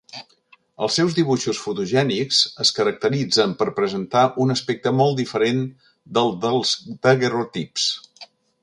Els seus dibuixos fotogènics es caracteritzen per presentar un aspecte molt diferent del dels daguerreotips.